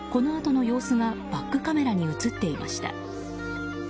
このあとの様子がバックカメラに映っていました。